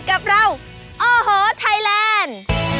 กับเราโอ้โหไทยแลนด์